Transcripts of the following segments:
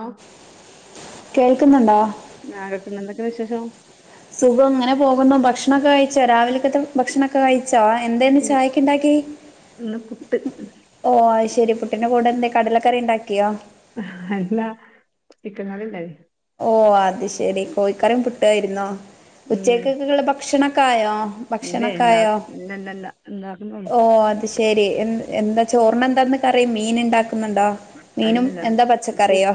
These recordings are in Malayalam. ആഹ് കേൾക്ക്ന്ന്ണ്ടോ ആഹ് കേക്ക്ന്ന്ണ്ട് എന്തൊക്കെ വിശേഷം സുഖം ഇങ്ങനെ പോകുന്നു ഭക്ഷണൊക്കെ കഴിച്ചോ രാവിലക്കത്തെ ഭക്ഷണൊക്കെ കഴ ചോ എന്തേന്നു ഉം ചായക്കിണ്ടാക്കി ഇന്ന് പുട്ട് ഓഹ് അത് ശരി പുട്ടിന്റെ കൂടെ എന്തേ കടലക്കറി ഇണ്ടാക്കിയൊ അല്ലാ ചിക്കൻ കറിണ്ടായ്നു ഓഹ് അത് ശരി കോഴിക്കറിം പുട്ടു ആയിരുന്നൊ ഉച്ചക്കെക്ക്ള്ള ഭക്ഷണൊക്കായൊ ഇല്ലെ ഇല്ല ഇല്ല ല്ല ല്ല ഇണ്ടാക്ക്ന്നൊള്ളു ഓഹ് അത് ശ ശരി എ എന്താ ചോർനെന്ത ഇന്ന് കറി മീൻ ഇണ്ടാക്ക്ന്ന്ണ്ടൊ മീനും അല്ലല്ല എന്ത ചി പച്ചക്കറിയോ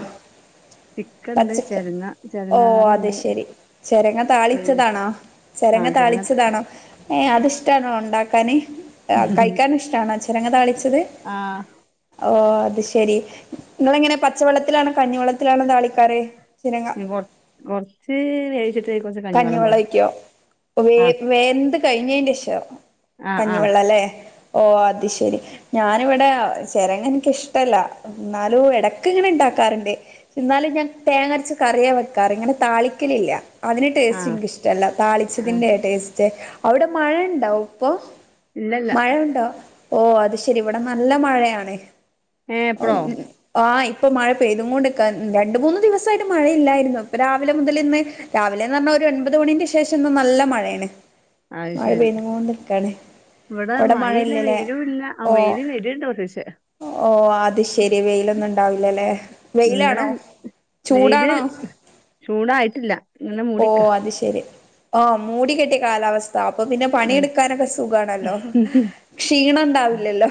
ചിക്കൻണ്ട് പച്ചക്ക് ചെരങ്ങ ചെരങ്ങ ഓഹ് അത് കറിണ്ട് ശരി ചെരങ്ങ പി താളിച്ചതാണൊ ചെരങ്ങ താളിച്ചതാണൊ ഏഹ് അതിഷ്ടാണോ ഇണ്ടാക്കാന് ആഹ് കഴിക്കാൻ ഇഷ്ടാണൊ ചെര്ങ്ങ താളിച്ചത് ആഹ് ഓഹ് അത് ശരി ഇങ്ങളെങ്ങനെ പച്ചവെള്ളത്തിലാണൊ കഞ്ഞിവെള്ളത്തിലാണൊ താളിക്കാറ് ചിരങ്ങ കൊറ് കൊറ്ച് ദേശ് കഞ്ഞിവെള്ളം ഒയിക്കോ വേ ആഹ് വേന്ത് കഴിഞ്ഞയിന്റെ ശേഷം ആഹ് ആഹ് കഞ്ഞിവള്ളം ല്ലേ ഓ അത് ശരി ഞാനിവിടെ ചെരങ്ങ എനിക്ക് ഇഷ്ടല്ല ന്നാലും എടക്ക് ഇങ്ങനെ ഇണ്ടാക്കാറുണ്ട് ന്നാലും ഞാൻ തേങ്ങരച്ച കറിയ വെക്കാറ് ഇങ്ങനെ താളിക്കലില്ല അതിൻറെ ടേസ്റ്റ് ആഹ് എനിക്ക് ഇഷ്ടല്ല ആഹ് താളിച്ചതിന്റെ ടേസ്റ്റ് അവിടെ മഴ ഇണ്ടോ ഇപ്പൊ ഇല്ലല്ല മഴുണ്ടോ ഓ അത് ശരി ഇവിടെ നല്ല മഴയാാണ് ഏഹ് ഇപ്പളോ [unintelligible] ആഹ് ഇപ്പൊ മഴ പെയ്തേ കൊണ്ട്ക്ക രണ്ട് മൂന്ന് ദിവസമായിട്ട് മഴയില്ലായിരുന്നു ഇപ്പൊ രാവിലെ മുതൽ ഇന്ന് രാവിലെന്ന് പറഞ്ഞാ ഒരു ഒൻപത് മണിന്റെ ശേഷംഇന്ന് നല്ല മഴയാണ് അത് മഴ ശരി പെയ്യതോണ്ട് നിക്കാണ് ഇവിടെ മഴയില്ല വെയിലും ഇല്ല ആ ഓ വെയില് വെരുണ്ട്‌തോണുണ്ട്‌ ഓ അത് ശരി വെയിലൊന്നും ഇണ്ടാവില്ലല്ലേ ഇന്നലെ വെയിലാണോ ചൂടാണോ ചൂട് ആയിട്ടില്ല ഓ അത് ശെരി ഓ മൂടികെട്ടിയ കാലാവസ്ഥ അപ്പൊ പിന്നെ ഉം പണിയെടുക്കാനൊക്കെ സുഖണല്ലോ ക്ഷീണം ഉണ്ടാവില്ലല്ലോ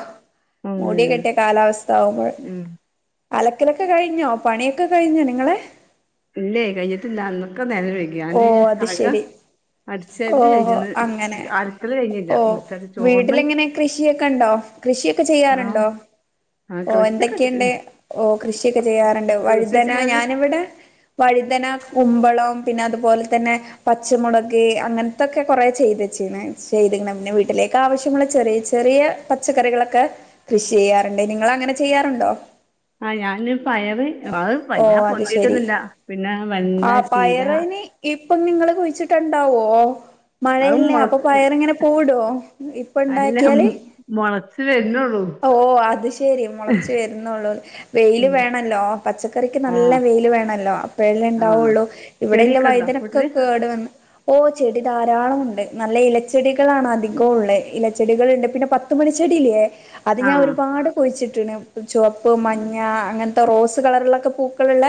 മൂടി കെട്ടിയ കാലാവസ്ഥ ആകുമ്പോള് ഉം അലക്കലൊക്കെ കഴിഞ്ഞോ പണിയൊക്കെ കഴിഞ്ഞോ നിങ്ങളെ ഇല്ലേ കഴിഞ്ഞിട്ടില്ല ഇന്നൊക്കെ നേരം വൈകി ഞാൻ ഓ അത് അക ശരി ഓഹോ അങ്ങനെ അലക്കല് കഴിഞ്ഞില്ല ഓ മുറ്റടി ചോറിന് വീട്ടില് എങ്ങനെ കൃഷിയൊക്കെ ഇണ്ടോ കൃഷിയൊക്കെ ആഹ് ചെയ്യാറുണ്ടോ ആഹ് ഓ കുളിച്ചൊക്കെ എന്തൊക്കെയുണ്ട് ഓ കൃഷിയൊക്കെ ചെയ്യാറുണ്ട് കുളിച്ച് വഴുതന കഴിഞ്ഞാല് ഞാന് ഇവിടെ വഴുതന കുമ്പളം പിന്നെ അതുപോലെ തന്നെ പച്ചമുളക് അങ്ങനത്തൊക്കെ കൊറെ ചെയ്തച്ചീന് ചെയ്ത്ക്ക്ണ് പിന്നെ വീട്ടിലേക്ക് ആവശ്യമുള്ള ചെറിയ ചെറിയ പച്ചക്കറികളൊക്കെ കൃഷി ചെയ്യാറുണ്ട് നിങ്ങള് അങ്ങനെ ചെയ്യാറുണ്ടോ ആഹ് ഞാന് പയറ് അഹ് ഓ വല്ല അത് പൊന്തിട്ട് ശരി ഒന്നുംല്ല പിന്നെ ആ വെണ്ട ചീര പയറിന് ഇപ്പം നിങ്ങള് കുഴിച്ചിട്ടുണ്ടാവോ അത് മഴയല്ലേ മൊള അപ്പൊ പയറിങ്ങനെ പൂവിടോ ഇപ്പ ഉണ്ടാക്കിയാല് മുളച്ച് വരുന്നെള്ളൂ ഓ അത് ശെരി മൊളച്ച് വരുന്നുള്ളൂ വെയില് ഉം വേണല്ലോ പച്ചക്കറിക്ക് നല്ല ആഹ് വെയില് വേണല്ലോ അപ്പല്ലെ ആഹ് ഇണ്ടാവുള്ളു ഇവിടെഎന്റെ ചെടിയൊക്കെ ഉണ്ടോ വയ്തനങ്ങക്കെ വീട്ടില് കേട് വന്ന് ഓ ചെടി ധാരാളം ഉണ്ട് നല്ല ഇലച്ചെടികളാണ് അധികം ഉള്ളെ ഇല ചെടികൾണ്ട് പിന്നെ പത്തുമണിച്ചെടില്ലേ അത് ഞാൻ ആഹ് ഒരുപാട് കൊഴിച്ചിട്ടിണ് ചുവപ്പ് മഞ്ഞ അങ്ങനത്തെ റോസ് കളറിലൊക്കെ പൂക്കളുള്ള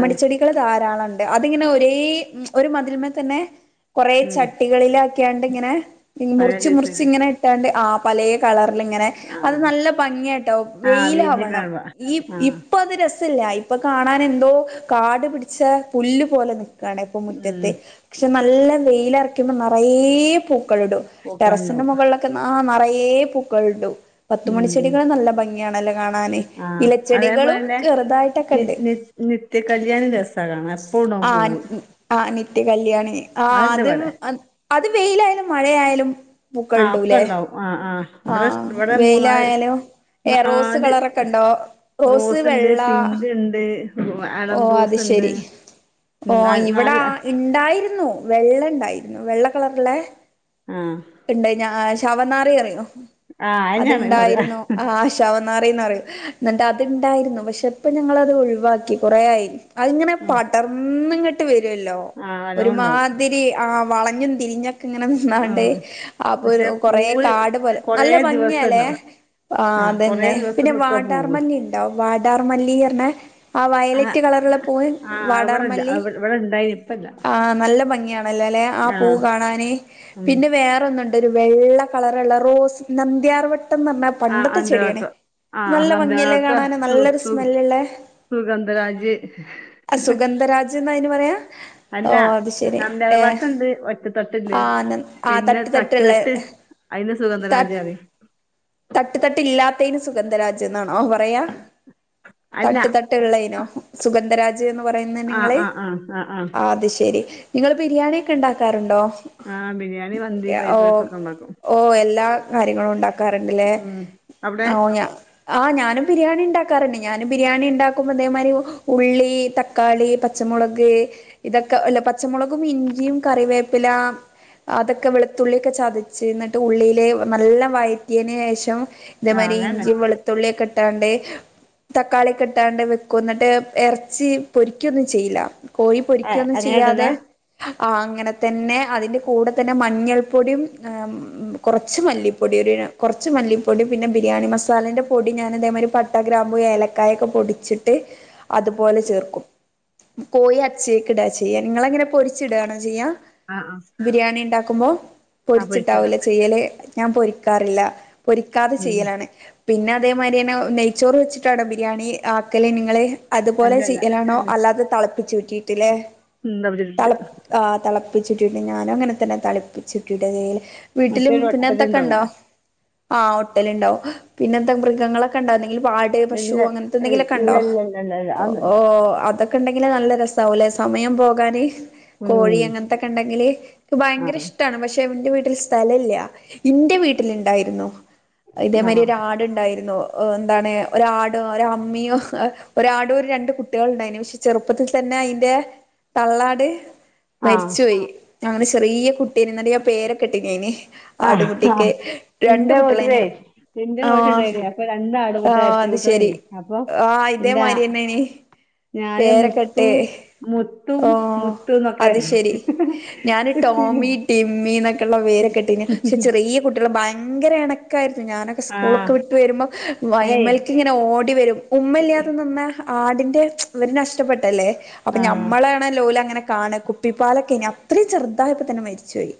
അത് ശെ ക്കള് ധാരാളംണ്ട് അതിങ്ങനെ ഒരേ ഒരു മതിലമെ തന്നെ കുറെ ഉം ചട്ടികളില് ആക്കിയാണ്ട് ഇങ്ങനെ പഴയ മുറിച്ച് മുറിച്ച് സൈസായിട്ട് ഇങ്ങനെ ണ്ട് ആ പലേ കളരിൽ ഇങ്ങനെ അത് ആഹ് നല്ല ഭംഗിയാട്ടോ ആഹ് വിരിഞ്ഞിക്കണ വെയിലാവണം കാണുമ്പോ ഈ ഈ ആഹ് ഇപ്പൊ അത് രസല്ല ഇപ്പൊ കാണാൻ എന്തോ കാടു പിടിച്ച പുല്ല് പോലെണ് ണ ഇപ്പൊ ഉം മുറ്റത്തെ പക്ഷെ നല്ല വെയിലറക്കുമ്പോ നറയെ പൂക്കള് ഇടും ടെറസിന്റെ പൂക്കളുണ്ടാവും മുകളിലൊക്കെ ആ നിറയെ പൂക്കള് ഉണ്ട് ഉം ഉം പത്തുമണിച്ചെടികൾ നല്ല ഭംഗി ഗി ആണല്ലോ കാണാൻ ആഹ് ഇലച്ചെടികളും ചെറുതായിട്ടൊക്കെ ഇണ്ട് നിത്യ കല്യാണിരസ ണസാ കാണാൻ പൂടു ആ ആ നിത്യ കല്യാണി ആ അത്ണ്ട് അത് ഇവിടെ അത് അത് വെയിലായാലും മഴയാലും ആഹ് ഒക്കെ പൂക്കൾണ്ടൂല്ലേ ഉണ്ടാവും ആഹ് ആഹ് ഇവിടെ ഇഷ് ആഹ് ഇവിടെ വെയില മൂന്നാല് ആയാലും ഏ റോസ് നാല് കളറൊക്കെ ഉണ്ടോ റോസ് റോസ്ണ്ട് വെള്ള പിങ്ക് ഉണ്ട് ഓ അളം അത് റോസ്ണ്ട് ശെരി ഓ ഉം നാല് ഇവിടെ നാല് ഇണ്ടായിരുന്നു വെള്ള ഇണ്ടായിരുന്നു വെള്ള കളറില്ലേ ആഹ് ഉണ്ടയിഞ്ഞാ ആഹ് ശവംനാറി അറിയോ ആഹ് അതെന്നാണ് പറയാ അത്ണ്ടായിരുന്നു ആഹ് ശവന്നാറീന്ന് പറയും എന്നിട്ട് അത്ണ്ടായിരുന്നു പക്ഷെ ഇപ്പം ഞങ്ങളത് ഒഴിവാക്കി കൊറേയായി. അതിങ്ങനെ പടർന്ന് ഇങ്ങോട്ട് വരുല്ലോ ആഹ് നല്ലോണ്ടാവും ഒരുമാതിരി ആഹ് വളഞ്ഞു. പിരിഞ്ഞൊക്കെ ഇങ്ങനെ നിന്നകൊണ്ടേ ഉം അപ്പൊ പക്ഷെ കൊറേ പൂവ് കാട് പോലെ കൊറേ നല്ല ഭംഗിയാല്ലേ. ദിവസണ്ടാവും ആഹ് കൊറേ അതന്നെ പിന്നെ ദിവസം നിക്കുവാ വാടാർ പൂവ് മല്ലി ഇണ്ടോ വാടാർ മല്ലീന്ന്പറഞ്ഞ്. ആഹ് ആ വയലറ്റ് കളറുള്ള പൂവ് ആഹ് വാടാർ ഇവടെല്ല മല്ലി ഇവ ഇവടെ ഇണ്ടായിനി ഇപ്പല്ല ആഹ് നല്ല ഭംഗിയാ. നല്ല അല്ലെ ആഹ് പൂ കാണാന് ഉം പിന്നെ വേറൊന്നു ണ്ട് ഠ വെള്ള കളറൊള്ള റോസ് നന്ദ്യാർ വട്ടംന്ന് പറഞ്ഞ ആഹ് പണ്ടത്തെ ചെടിയാണ് അന്തരാട്ടം നല്ല ആഹ് ഭംഗിയല്ലേ നമ്പ്യാർവട്ടം കാണാന്. സു നല്ലൊരു സു സ്മെല്ലിള്ളേ. സുഗന്ധരാജ്. ആഹ് സുഗന്ധരാജെന്നാ അയിന് പറയാ. ഓ അല്ല അത് ശരി ഏഹ് നന്ദ്യാർവട്ടൊണ്ട് ഒറ്റ തട്ടില് ആഹ് ആ പിന്നെ തട്ട് തട്ടുള്ള തട്ട്. അയിന് ത സുഗന്ധരാജ്റും. തട്ട് തട്ട് ഇല്ലാത്തേന്. സുഗന്ധരാജ് ന്നാണോ പറയാ അല്ല തട്ട് തട്ടിള്ളയിനം സുഗന്ധരാജ ന്ന് പറയുന്നെ ആഹ് നിങ്ങള്. ആഹ് ആഹ് ആഹ് അത് ശെരി നിങ്ങള് ബിരിയാണിക്കെ ഇണ്ടാക്കാറുണ്ടോ? ആഹ് ബിരിയാണി, മന്തി, ഫ്രൈഡ് റൈസൊക്കെ ഒണ്ടാക്കും. ഓ എല്ലാ കാര്യങ്ങളും ഉണ്ടാക്കാറ് ട് ലേ പിന്നെ ഉം അവടെ ഓ ഞാ ആഹ് ഞാനും ബിരിയാണി ഇണ്ടാക്കാറുണ്ട്. ഞാനും ബിരിയാണി ഇണ്ടാക്കുമ്പോ ഇതേമാതിരി ഉള്ളി. തക്കാളി, പച്ചമുളക് ഇതൊക്കെ ഒല്ല പച്ചമുളകും ഇഞ്ചിം കറിവേപ്പില. അതൊക്കെ വെളുത്തുള്ളിക്കെ ചതച്ച് എന്നിട്ട് ഉള്ളിലെ നല്ല വഴറ്റിയേന് ശേഷം. ആഹ് ഇതേമായിരി അങ്ങനെന്നെ ഇഞ്ചിം വെളു തുള്ളിയൊക്കെ ഇട്ടാണ്ട് തക്കാളിയൊക്കെ ഇട്ടാണ്ട് വെക്കും. എന്നിട്ട് എറച്ചി പൊരിക്കൊന്നും ചെയ്യില്ല. കോഴി ഏഹ് പൊരിക്കൊന്നും അങ്ങനെ ചെയ്യാതെ ഇടലാ ആഹ് അങ്ങനെ തന്നെ അതിന്റെ കൂടെ തന്നെ മഞ്ഞൾപ്പൊടിം ഏഹ് ഉം കൊറച്ച് മല്ലിപ്പൊടീടെണം കൊറച്ച് മല്ലിപ്പൊടി പിന്നെ ബിരിയാണി മസാലേന്റെ പൊടി. ഞാൻ ഇതേമായിരി പ ട്ട, ഗ്രാമ്പൂ, ഏലക്കായൊക്കെ പൊടിച്ചിട്ട്. അതുപോലെ ചേർക്കും. കോഴി അച്ചെയക്ക് ഇടാ ചെയ്യ നിങ്ങളെങ്ങനാ പൊരിച്ചിടാണോ ചെയ്യ. ആഹ് ആഹ് ബിരിയാണി ഇണ്ടാക്കുമ്പോ ആഹ് പൊരിച്ചിട്ടാവും പൊരിക്കലാ ഇല്ലെ ചെയ്യല് ഞാൻ പൊരിക്കാറില്ല. പൊരിക്കാതെ ഉം ചെയ്യലാണ്. പിന്നെ അതേമായിരി തന്നെ നെയ്ച്ചോറ് വെച്ചിട്ടാണോ ബിരിയാണി ആക്കല്. നിങ്ങള് അതുപോലെ അല്ലല്ല ചെയ്യലാണോ? അത് തളപ്പിച്ചൂ ഉറ്റിട്ടില്ലേ? ഉ നജെ [unintelligible] ആഹ് തളപ്പിച്ചൂറ്റിട്ട് ഞാനും അങ്ങനെ തന്നെ തളപ്പിച്ചൂറ്റിട്ടാ ചെയ്യല്. വീട്ടിലും മറ്റേ പിന്നെ വട്ടല്ണ്ടാവും ഇതൊക്കൊണ്ടോ? ആഹ് ഒട്ടലിണ്ടാവും പിന്നെ എന്താ മൃഗങ്ങളൊക്കെ ഇണ്ടൊ ഇല്ലെങ്കി വാ ത്ത്, പശു ഇല്ല അങ്ങനത്തെ ഇ- എന്തെങ്കിലൊക്കെ ഇല്ല ഇണ്ടോ ഇല്ല ഇല്ല ഇല്ല ഇല്ല അതൊന്നുമില്ല ഓഹ് അ തൊക്കെ ഇണ്ടെങ്കില് നല്ല രസാവും അല്ലെ സമയം പോകാന്. കോഴി ഉം അങ്ങനത്തൊക്കെ ഇണ്ടെങ്കില്. നിക്ക് ആ ഭയങ്കര ഇഷ്ടാണ് പക്ഷെ എന്റെ വീട്ടില്. സ് സ്ഥലയില്ല്യ ഇന്റെ വീട്ടിലിണ്ടായിരുന്നു. ആ ഇതേമായിരി ഒര് ആട് ഉണ്ടായിരുന്നു. ഓഹ് എന്താണ് ഒരാആട് ഒരമ്മിയോ ഒരാആടും ഒരു രണ്ട് കുട്ടികളുണ്ടായീന്. പക്ഷെ ചെറുപ്പത്തിൽ തന്നെ അയിന്റെ തള്ളാട് ആ മരിച്ചുപോയി. ങ്ങനെ ചെറിയ കുട്ടീന് എന്നിട്ട് ഞാൻ പേരൊക്കെട്ടീന് അയിന്. ആ ആ. ആട്ടുംകുട്ടിക്ക് രണ്ടു നിന്റെ കുട്ടികളയിന്. വീട്ടിലേ നിന്റെ ആഹ് വീട്ടുണ്ടായില്ലേ അപ്പൊ രണ്ട് ആടുകൂട്ട ആഹ് അത് ശെരി. കുട്ടികളായിരുന്നു അപ്പൊ ആഹ് ഇതേ നിന്റെ ആ- മായിരിന്നെയാന് ഞാന് മുത്തു പേരക്കൊയിട്ട് മുത്തും ഓഹ് മുത്തു എന്നൊക്കെ അത് ശെരി ഞാന് കിട്ടീന് ടോമി. ടിമ്മിന്നൊക്കെയൊള്ള പേരൊക്കെ ഇട്ടീമിംഒകെ പോര് പക്ഷെ ചെറിയ കുട്ടികള് ഭയങ്കര എണക്കായിരുന്നു ഞാനൊ ആ സ്കൂളൊക്കെ വിട്ട് വരുമ്പോ ഏയ് വയിമ്മേൽക്കിന്നെ. ഓടി വരും ഉമ്മല്ലാത നിന്ന ആടിന്റെ ഇവ നഷ്ടപ്പെട്ടല്ലേ അപ്പൊ ആ നമ്മളെ ലോല അങ്ങനെ കാണ് കുപ്പിപ്പാലൊക്കെനി അത്രേം ചെറുതായപ്പോ തന്നെ മരിച്ചപോയി.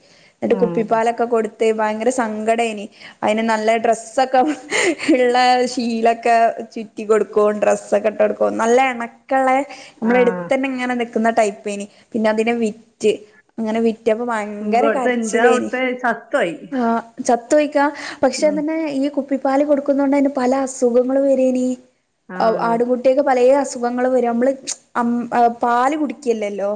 എന്നിട്ട് ആ കുപ്പിപ്പാലൊക്കെ കൊടുത്ത് ഭയങ്കര സങ്കടെയിനി. അതിന് നല്ല ഡ്രസ്സൊക്കെ ഇള്ള ശീലൊക്കെ ചുറ്റി കൊടുക്കും. ഗോ ഡ്രസ്സക്കെട്ട് കൊടുക്കും. നല്ല മ്മള ആ നമ്മള എടുത്ത തന്നെ ഇങ്ങനെ നൽക്കുന്ന ടൈപ്പേയിനി. പിന്നെ അതിനെ വിറ്റ്. അങ്ങനെ വി റ്റപ്പം ഭയങ്കര ഇവിടുത്തെ എന്റെ കരച്ചില്ലേയിനി. അവിടുത്തെ ചത്തോയി ആഹ് ചത്ത്വെയ്ക്കാ പക്ഷെ ഉം. അതിന് ഈ കുപ്പിപ്പാല് കൊടുക്കുന്നകൊണ്ട് അയിന് പല അസുഖങ്ങള് വരെയിനി. ആ അ ആടുകുട്ടിയക്ക് പലേ അസുഖങ്ങള് വരും. അമ്മള് അ പാല് കുടിക്കല്ലല്ലോ.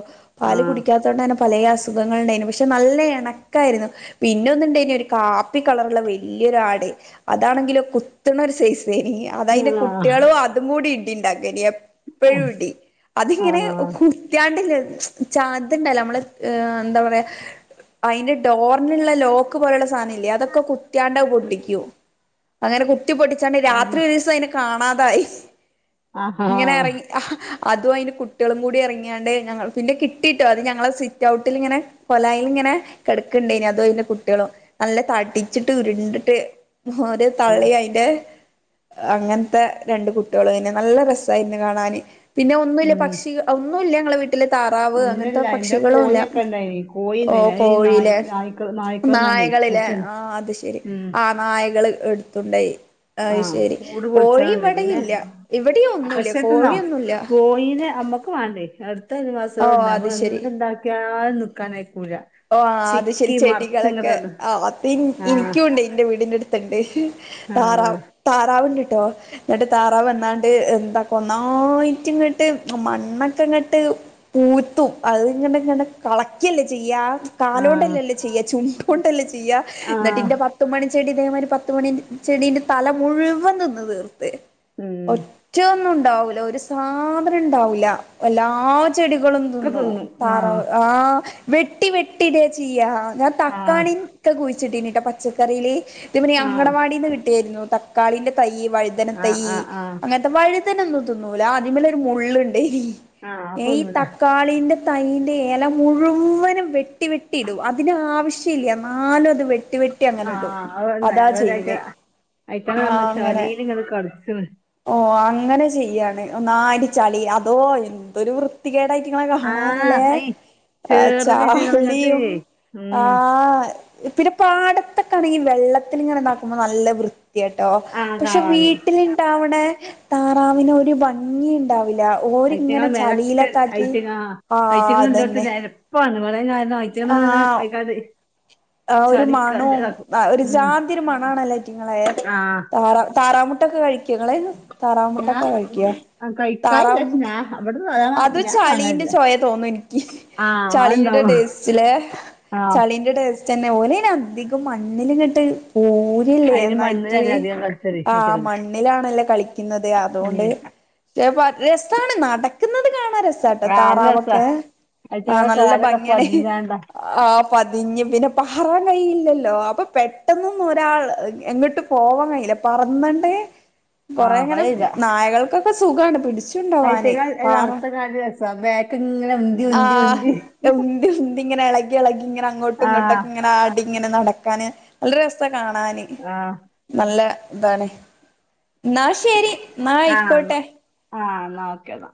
ആ പാല് കുടിക്കാത്തകൊണ്ട് അതിന് പലേ അസുഖങ്ങളുണ്ടായിനു. പക്ഷെനല്ല എണക്കായിരുന്നു. പിന്നെ ഒന്നിണ്ടായിനു. ഒരു കാപ്പി കളർള്ള വല്യോരാട്. അതാണെങ്കിലോ കുത്തണ ഒരു സൈസ്‌ [unintelligible] അതയിന്റെ ആ കുട്ടികളും അതും കൂടി ഇടിണ്ടാക്കന എപ്പഴും ഇടി ആ അതിങ്ങനെ കാണ്ടല്ലേ ചാന്ത്ണ്ടല്ല നമ്മള് എന്താ പറയാ അയിന്റെ ഡോറിന്ള്ള ലോക്ക് പോലുള്ള സായിനം ഇല്ലേ, അതൊക്കെ കുത്തിയാണ്ടെ പൊട്ടിക്കും. അങ്ങനെ കുത്തി പൊട്ടിച്ചാണ്ട് ആ. രാത്രി ഒരു ദിവസം അയിനെ കാണാതായി. ഇങ്ങനെ ആഹാ ഇറങ്ങി അഹ് അതും അതിന്റെ കുട്ടികളും കൂടി ഇറങ്ങിയാണ്ടെ ഞങ്ങ പിന്നെ കിട്ടിയിട്ടോ അത് ഞങ്ങളെ സ്വിറ്റ് ഔട്ടിലിങ്ങനെ കൊലായിലിങ്ങനെ കെടക്ക്ണ്ടേയിനി അതും അതിന്റെ കുട്ടികളും. നല്ല തടിച്ചിട്ട് ഉരുണ്ടിട്ട് ഓരെ തള്ളെ അയിന്റെ അങ്ങനത്തെ രണ്ട് കുട്ടികളോയിനു. നല്ല രസായിനു കാണാന്. പിന്നെ ഒന്നൂല്ല ഉം പക്ഷികള് ഒന്നൂല്ല ഞങ്ങൾടെ വീട്ടില്. ട്ടില് താറാവ് അങ്ങനത്തെ ഇല്ലല്ല അയിന്റെ പക്ഷികളുല്ല. കോഴിയൊക്കെ ഇണ്ടായിനി കോഴി ഓഹ് ഇണ്ടായിനി അത് ഈ നായി കോഴീലെ നായ്ക്കൾ നായ്ക്കൾ വന്നാണ്ടേ നായ്കളിലെ പുടിച്ചോണ്ട് ആഹ് അത് ശെരി. ഉം ആഹ് നായ്കള് എടുത്തുണ്ടായി. ആഹ് അയ്ശരി. കൂട് കോഴി പൊളിച്ചാണ്ട് പിന്നെ ഇവിടെയെങ്ങൂല്ല. ഇവിടെ ഒന്നുല്ല പക്ഷേ തിന്നോ കോഴിയൊന്നുല്ല. കോഴീനെ അമ്മക്ക് വേണ്ടേനി. ഇവിടത്ത ഓ അയൽവാസികള്ണ്ട് അത് നമ്മള് ശരി എന്ത്ണ്ടാക്കി ഞാൻ നിക്കാൻ അയക്കൂല്ല. ഓഹ് ആത്ശരി. ചെടികളൊക്കെ ആത് ആഹ് എനിക്കുണ്ട് ഇന്റെ വീടിന്റെ അട്ത്ത്ണ്ട്. ആഹ് താറാവ് താറാവിണ്ടിട്ടോ. എന്നിട്ട് താറാവന്നാണ്ട് എന്ത ഒന്നായിട്ടിങ്ങോട്ട് മണ്ണൊക്കെ ഇങ്ങട്ട് പൂത്തും. അത്ങ്ങനിങ്ങനെ കളക്കിയല്ലേ ചെയ്യാ? ആഹ് കാലൊണ്ടല്ലല്ലോ ചെയ്യാ ചുണ്ടോണ്ടല്ലേ ചെയ്യ. ആഹ് എന്നട്ടിന്റെ വ പത്തുമണി ചെടി ഇതേമാതിരി പത്തുമണി ചെടീന്റെ തല മുഴുവൻ നിന്ന് തീർത്ത്. ഉം റ്റൊന്നും ഉണ്ടാവൂല്ല. ഒരു സാധന്ണ്ടാവൂല്ല. എല്ലാ ചെടികളും ഒക്കെ തിന്നും ആഹ് താറാവ് ആഹ് വെട്ടി വെട്ടിടേ ചെയ്യ. ഞാൻ ആഹ് തക്കാളി ക്കെ കുഴിച്ചിട്ടീന്ട്ടാ പച്ചക്കറീല്. ഇടെ പിന്നെ ആഹ് അങ്കണവാടിന്ന് കിട്ടിയായിരുന്നു തക്കാളിന്റെ തൈ വഴു ആഹ് തനതൈ ആഹ് ആഹ് അങ്ങനത്തെ വഴ്തനെന്നും തിന്നൂല. അതുമ്മേലെ ഒരു മുള്ള്ണ്ട്. ആഹ് അപ്പൊ ഏയ്‌ തിന്നൂല തക്കാളിന്റെ തൈന്റെ എല മുഴുവനും വെട്ടി വെട്ടി ഇടും. അതിനാവശ്യം ഇല്ല്യ. ന്നാലും അത് വെ ട്ടി വെട്ടി അങ്ങനെ ഇടും. ആഹ് അതന്നെ അതാ ചെയ്യ്ന്നേ അതല്ലായിറ്റ് അയിറ്റാണ് നമ്മ ആഹ് അങ്ങനെ ചളീല് ഇങ്ങനെ കളിച്ച്ണ് ഓഹ് അങ്ങനെ ചെയ്യാണ്. ഒന്നായിരി ചളി അതോ ഒരു വൃ കുട്ടികേടായിട്ട് ഇങ്ങളെ ആഹ് കാണാനല്ലേ അയ് ചാ ചേറില് ഞങ്ങൾ ഇങ്ങട്ട് ളിയും ഉം ആഹ് പിന്നെ പാടത്തൊക്കൊണെങ്കി വെള്ളത്തിലിങ്ങനെ ഉണ്ടാക്കുമ്പോ നല്ല വൃത്തി ട്ടോ ആ പക്ഷെ കാണാന് വീട്ടിലിണ്ടാവണ താറാവിന് ഒരു ഭംഗി ഗിയ്ണ്ടാവില്ല. ഓരിങ്ങനെ അയിറ്റങ്ങളെ മേലൊക്കെ ചളിയിലൊക്കെ ആക്കി ആഹ് അതന്നെ. ഇപ്പാണ് ആ [unintelligible] ആഹ് ഒരു മണോം ഒരു ജാതിയൊരു മണാണ്ല്ലേ ഈറ്റിങ്ങളെ? ആഹ് താറാ താറാമുട്ടൊക്കെ കഴിക്കൊ ഇങ്ങള്? ഞാൻ താറാമുട്ടൊക്കെ കഴിക്കൊ? ആ കഴിക്കാനില്ല പക്ഷെ താറാമുട്ട ഞാൻ അവിടുന്ന് അത് അതാണ് ഞാൻ ചളീന്റെ വാങ്ങലില്ല ചൊയ തോന്നും എനിക്ക്. ആഹ് ചളീടെ അത്ണ്ടാവും ടേസ്റ്റിലെ ആഹ് ചളീന്റെ ടേസ്റ്റന്നെ. ഓനെനധികം മണ്ണില് ഇങ്ങട്ട് അയിന് ല്ലെന്നായിട്ട് മണ്ണിലല്ലേ അധികം കളിച്ചല് ആഹ് അയിറ്റങ്ങള് മണ്ണിലാണല്ലേ കളിക്ക്ന്നത് ഉം അത്കൊണ്ട് ചെലപ്പോ രസാണ് നടക്ക്ന്നത് കാണാൻ രസ ച്ചട്ട കാലിന് രസാ താറാവൊക്കെ ആഹ് അയിറ്റങ്ങളെ നല്ല കാലൊക്കെ ഭംഗിയാണേ. പതിഞ്ഞാണ്ടാ ആഹ് പതിഞ്ഞ് പിന്നെ പറാൻ കയ്യില്ലല്ലോ അപ്പ പെട്ടെന്നൊന്നും ഒരാള് എങ്ങട്ടും പോവാൻ കയ്യില്ല പറന്നണ്ടേ ആഹ് കൊറേഇങ്ങനെ കളിയില്ല നായകൾക്കൊക്കെ സുഖാണ് പിടിച്ച്ണ്ടാവാന്. ഐറ്റങ്ങൾ പറും നടത്ത കാണി രസം ബാക്ക് ഇങ്ങനെ ഉന്തി ഉന്തി ഉന്തി ആഹ് ഉന്തി ഉന്തി ഇങ്ങനെ എളകി എളകി ഇങ്ങനെ അങ്ങോ പ്പം ആ ഇങ്ങോട്ടൊക്കെ ഇങ്ങനെ ആടിങ്ങനെ നടക്ക ക്കാന് നല്ലരസാ കാണാന് ആ നല്ല ഇതാണ്. ന്നാ ശെരി ന്നാ ആയ്ക്കോട്ടെ. ആഹ് എന്നാ ഓക്കെ ന്നാ.